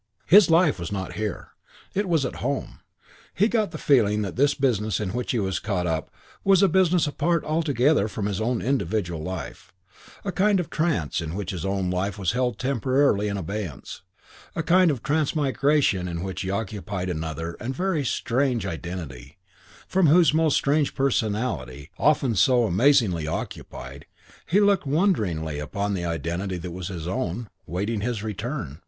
His life was not here; it was at home. He got the feeling that this business in which he was caught up was a business apart altogether from his own individual life, a kind of trance in which his own life was held temporarily in abeyance, a kind of transmigration in which he occupied another and a very strange identity: from whose most strange personality, often so amazingly occupied, he looked wonderingly upon the identity that was his own, waiting his return.